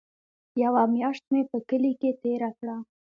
يوه مياشت مې په کلي کښې تېره کړه.